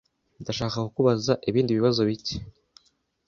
Ndashaka kukubaza ibindi bibazo bike.